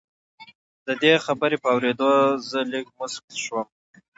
د دې خبرې په اورېدو زه لږ موسک شوم